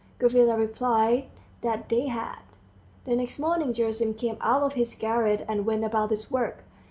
Gavrila replied that they had. The next morning Gerasim came out of his garret, and went about his work.